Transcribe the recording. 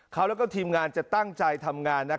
เขาและทีมงานจะตั้งใจทำงาน